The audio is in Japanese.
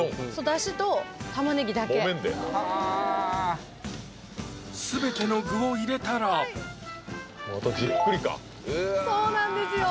だしと玉ねぎだけ全ての具を入れたらまたじっくりかそうなんですよ！